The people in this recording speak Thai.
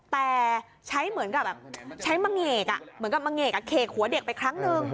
แต่ใช้เหมือนกับแบบใช้มะเงกเหมือนกับมะเงกเขกหัวเด็กไปครั้งหนึ่ง